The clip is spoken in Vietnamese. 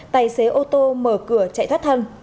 tài xế ô tô mở cửa chạy thoát thân